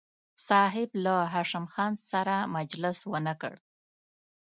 صاحب له هاشم خان سره مجلس ونه کړ.